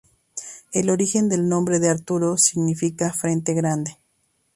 El origen del nombre de Arturo significa frente grande.